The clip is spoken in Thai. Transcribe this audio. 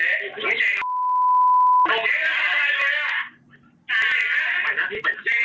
สู้กูเหตุกรรมมันน่าตุ๊กใจนะ